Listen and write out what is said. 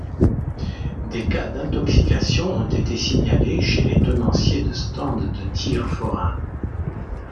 Des cas d'intoxication ont été signalés chez les tenanciers de stand de tir forains.